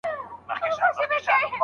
د جګړې ګټه يې کمه ګڼله.